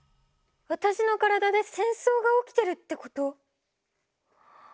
わたしの体で戦争が起きてるってこと？